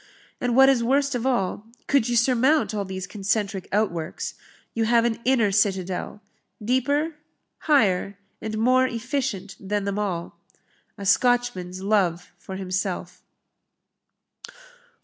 And what is worst of all, could you surmount all these concentric outworks, you have an inner citadel, deeper, higher, and more efficient than them all a Scotchman's love for himself."